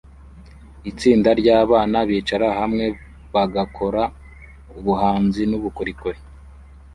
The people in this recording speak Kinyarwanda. itsinda ryabana bicara hamwe bagakora ubuhanzi nubukorikori